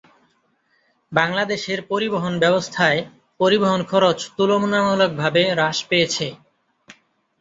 বাংলাদেশের পরিবহন ব্যবস্থায় পরিবহন খরচ তুলনামূলক ভাবে হ্রাস পেয়েছে।